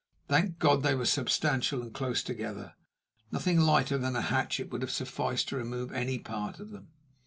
Thank God, they were substantial and close together! Nothing lighter than a hatchet would have sufficed to remove any part of them.